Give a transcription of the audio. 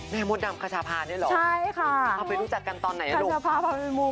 แม่มดดำขชาภานี่เหรอพอไปรู้จักกันตอนไหนล่ะลูกใช่ค่ะขชาภาพอเป็นมู